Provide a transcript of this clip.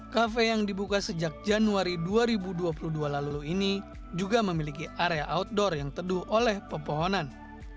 kafe yang dibuka sejak januari dua ribu dua puluh dua lalu ini juga memiliki area outdoor yang teduh oleh pepohonan